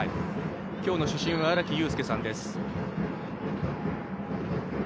今日の主審は荒木友輔さんです。